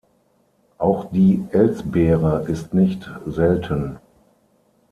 Auch die Elsbeere ist nicht selten.